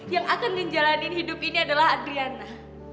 yang akan menjalani hidup ini adalah adriana